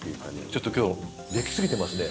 ちょっと今日出来過ぎてますね。